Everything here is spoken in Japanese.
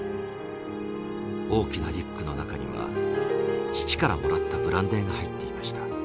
大きなリュックの中には父からもらったブランデーが入っていました。